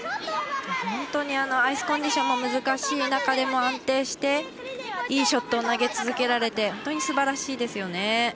本当にアイスコンディションも難しい中でも安定していいショットを投げ続けられて本当にすばらしいですよね。